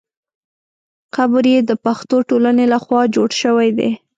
قبر یې د پښتو ټولنې له خوا جوړ شوی دی.